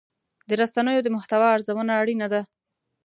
د رسنیو د محتوا ارزونه اړینه ده.